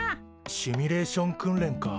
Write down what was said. シミュレーション訓練か。